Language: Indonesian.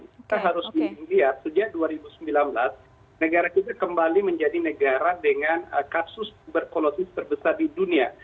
kita harus lihat sejak dua ribu sembilan belas negara kita kembali menjadi negara dengan kasus tuberkulosis terbesar di dunia